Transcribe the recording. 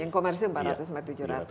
yang komersial empat ratus sampai tujuh ratus